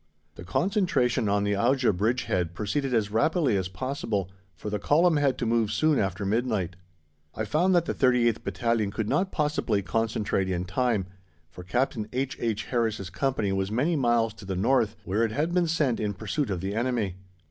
The concentration on the Auja bridgehead proceeded as rapidly as possible, for the Column had to move soon after midnight. I found that the 38th Battalion could not possibly concentrate in time, for Captain H.H. Harris's Company was many miles to the north, where it had been sent in pursuit of the enemy.